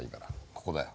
ここだよ。